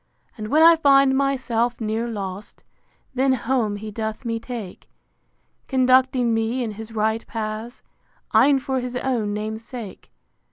And when I find myself near lost, Then home he doth me take; Conducting me in his right paths, E'en for his own name's sake.